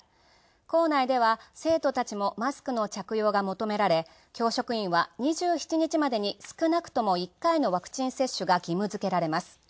校内では生徒たちもマスクの着用が求められ教職員は２７日までに少なくとも１回のワクチン接種が義務付けられます。